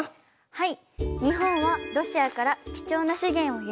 はい。